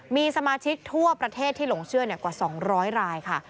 มีสมาชิกทั่วประเทศที่หลงเชื่อกว่า๒๐๐รายค่ะ